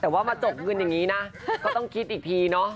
แต่ว่ามาจบเงินอย่างนี้นะก็ต้องคิดอีกทีเนาะ